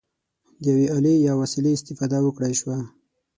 د یوې الې یا وسیلې استفاده وکړای شوه.